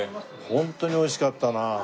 ホントに美味しかったな。